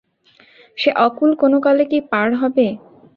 সে অকূল কোনোকালে কি পার হব।